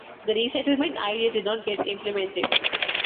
The resettlement idea did not get implemented.